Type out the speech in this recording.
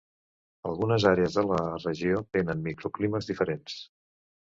Algunes àrees de la regió tenen microclimes diferents.